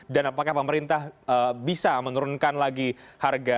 dan apakah pemerintah bisa menurunkan lagi harga pcr